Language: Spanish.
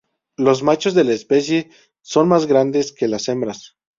Los machos de la especie son más grandes que las hembras.